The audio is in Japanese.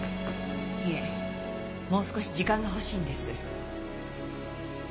いえもう少し時間が欲しいんです。